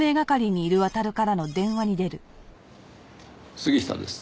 杉下です。